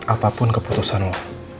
apapun keputusan lo